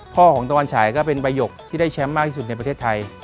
ของตะวันฉายก็เป็นประโยคที่ได้แชมป์มากที่สุดในประเทศไทย